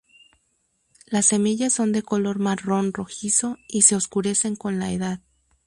Las semillas son de color marrón rojizo y se oscurecen con la edad.